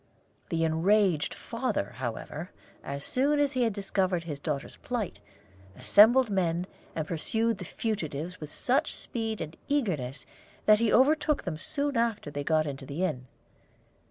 The enraged father, however, as soon as he had discovered his daughter's flight, assembled men, and pursued the fugitives with such speed and eagerness that he overtook them soon after they got into the inn.